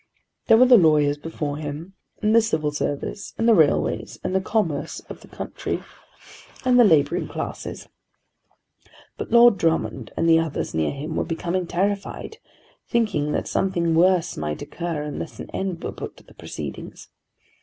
There were the lawyers before him, and the Civil Service, and the railways, and the commerce of the country, and the labouring classes. But Lord Drummond and others near him were becoming terrified, thinking that something worse might occur unless an end was put to the proceedings.